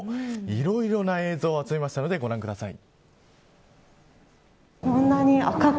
いろいろな映像を集めたのでご覧ください。